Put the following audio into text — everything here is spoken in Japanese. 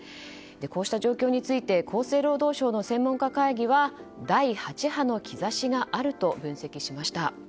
こうした状況について厚生労働省の専門家会議は第８波の兆しがあると分析しました。